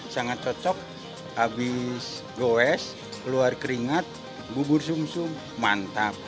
sangat cocok habis goes keluar keringat bubur sum sum mantap